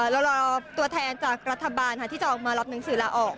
เรารอตัวแทนจากรัฐบาลที่จะออกมารับหนังสือลาออก